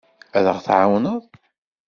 Ad aɣ-tɛawneḍ, naɣ?